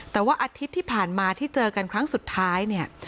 แต่ว่าอาทิตย์ที่ผ่านมาที่เจอกันครั้งสุดท้ายเนี่ย